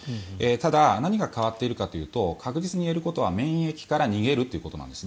ただ何が変わっているかというと確実に言えることは、免疫から逃げるということなんです。